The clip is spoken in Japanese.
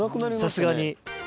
さすがに。